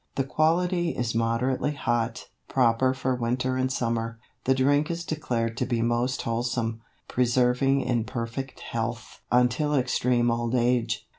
The quality is moderately hot, proper for winter and summer. The drink is declared to be most wholesome, preserving in perfect health until extreme old age."